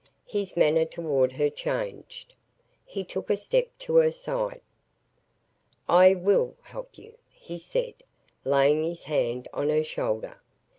His manner toward her changed. He took a step to her side. "I WILL help you," he said, laying his hand on her shoulder.